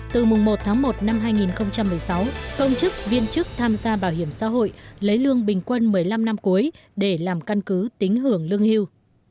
từ mùng một tháng một năm hai nghìn một mươi sáu công chức viên chức tham gia bảo hiểm xã hội lấy lương bình quân một mươi năm năm cuối để làm căn cứ tính hưởng lương hưu